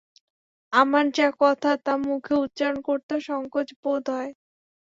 আমার যা কথা তা মুখে উচ্চারণ করতেও সংকোচ বোধ হয়।